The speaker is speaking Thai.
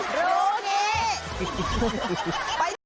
รู้คิด